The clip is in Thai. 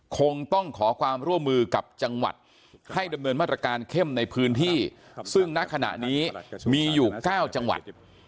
คงต้องขอความร่วมมือกับจังหวัดให้ดำเนินมาตรการเข้มในพื้นที่ซึ่งณขณะนี้มีอยู่๙จังหวัด